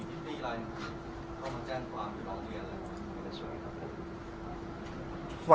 มีพิธีอะไรเข้ามาแจ้งความรู้ละเมิดอะไรไม่ได้สวยครับ